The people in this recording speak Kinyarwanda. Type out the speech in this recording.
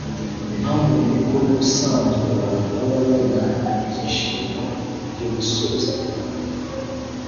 Impamvu ni uko n’ubusanzwe abantu baba bari mu byishimo byo gusoza umwaka